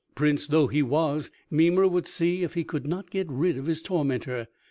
Prince though he was, Mimer would see if he could not get rid of his tormentor.